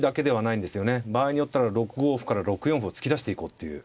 場合によったら６五歩から６四歩を突き出していこうっていう。